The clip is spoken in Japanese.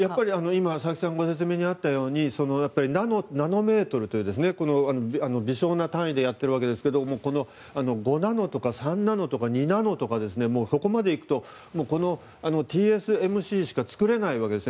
今、佐々木さんからご説明があったようにナノメートルという微小な単位でやっているわけですが５ナノとか３ナノとか２ナノとかそこまで行くとＴＳＭＣしか作れないわけです。